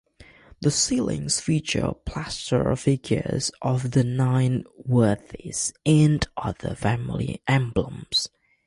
The ceilings feature plaster figures of the Nine Worthies and other family emblems.